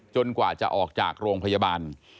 กว่าจะออกจากโรงพยาบาล